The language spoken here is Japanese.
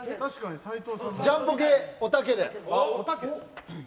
ジャンポケ、おたけで。